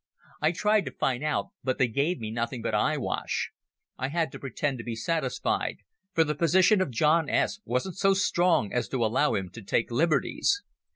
I tried to find out, but they gave me nothing but eyewash. I had to pretend to be satisfied, for the position of John S. wasn't so strong as to allow him to take liberties.